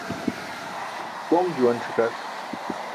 Poṅ juwan ṣikark.